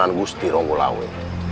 aku akan mencari